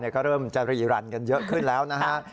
ก็เริ่มจะรีรันกันเยอะขึ้นแล้วนะฮะ